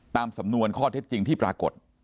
ตามสำนวนข้อเท็จจริงที่ปรากฏ